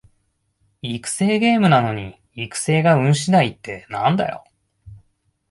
育成ゲームなのに育成が運しだいってなんだよ